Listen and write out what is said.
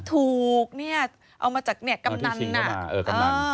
ถูกเนี่ยเอามาจากเนี่ยกำนันน่ะเออกำนัน